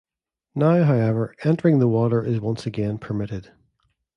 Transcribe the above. Now, however, entering the water is once again permitted.